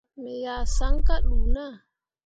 Me yah saŋ kah ɗuu naa.